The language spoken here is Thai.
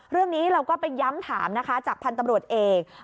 เรื่องนี้เราก็ไปย้ำถามนะคะจากพันธุ์ตำรวจเอก